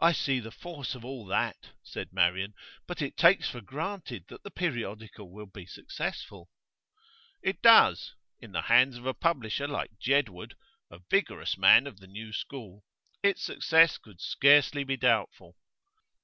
'I see the force of all that,' said Marian; 'but it takes for granted that the periodical will be successful.' 'It does. In the hands of a publisher like Jedwood a vigorous man of the new school its success could scarcely be doubtful.